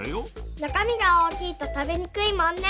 なかみがおおきいとたべにくいもんね！